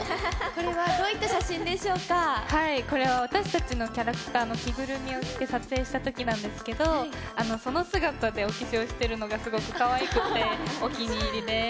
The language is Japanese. これは私たちのキャラクターの着ぐるみを着て撮影したときなんですけど、その姿でお化粧しているのがすごくかわいくて、お気に入りです。